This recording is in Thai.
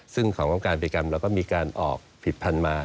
ซึ่งขององค์การพิกรรมเราก็มีการออกผิดพันธุ์มา